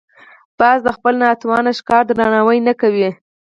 باز د خپل ناتوان ښکار درناوی نه کوي